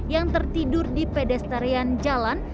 yang tertidur di pedestarian jalan